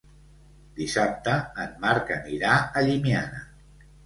Dissabte en Marc anirà a Llimiana.